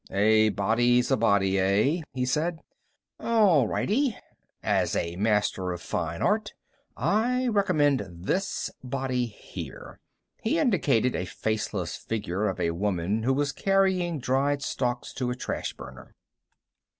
"A body's a body, eh?" he said. "All righty. As a master of fine art, I recommend this body here." He indicated a faceless figure of a woman who was carrying dried stalks to a trash burner.